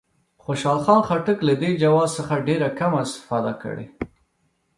خوشحال خان خټک له دې جواز څخه ډېره کمه استفاده کړې.